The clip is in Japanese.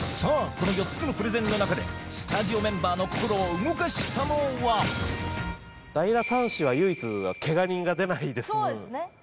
この４つのプレゼンの中でスタジオメンバーの心を動かしたのはダイラタンシーは唯一ケガ人が出ないで済むそうですね